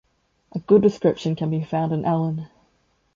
A good description can be found in Allen.